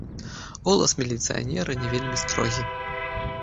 Голас міліцыянера не вельмі строгі.